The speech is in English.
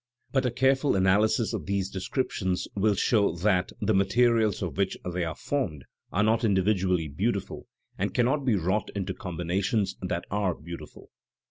But a careful analysis of these descriptions will show that the materials of which they are formed are not individually beautiful and cannot be wrought into combinations that are beautiful.